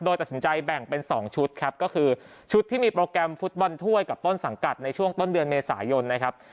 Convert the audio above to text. โดยตัดสินใจแบ่งเป็น๒ชุดครับก็คือชุดที่มีโปรแกรมฟุตบอลถ้วยกับต้นสังกัดในช่วงต้นเดือนเมษายนนะครับ